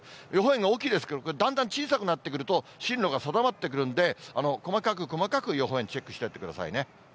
予報円が大きいですけど、だんだん小さくなってくると、進路が定まってくるんで、細かく細かく予報円、チェックしてくださいね。